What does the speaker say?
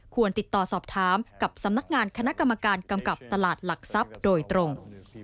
ติดต่อสอบถามกับสำนักงานคณะกรรมการกำกับตลาดหลักทรัพย์โดยตรง